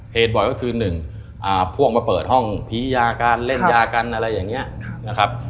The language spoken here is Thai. เหตุบ่อยก็คือหนึ่งพ่วงมาเปิดห้องพรียาการเล่นยาการอะไรอย่างเนี้ยนะครับ